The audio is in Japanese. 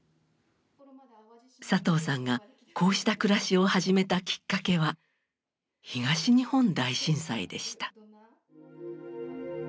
サトウさんがこうした暮らしを始めたきっかけは東日本大震災でした。